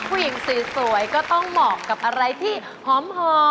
ผู้หญิงสวยก็ต้องเหมาะกับอะไรที่หอม